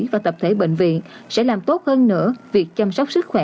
và tập thể bệnh viện sẽ làm tốt hơn nữa việc chăm sóc sức khỏe